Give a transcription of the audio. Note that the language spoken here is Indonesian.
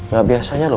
gak biasanya loh